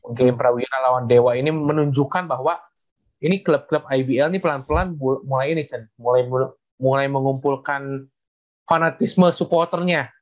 oke prawira lawan dewa ini menunjukkan bahwa ini klub klub ibl ini pelan pelan mulai mengumpulkan fanatisme supporternya